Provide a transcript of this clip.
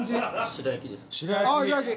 白焼き。